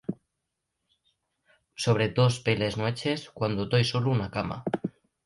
Sobre too peles nueches, cuando toi solu na cama.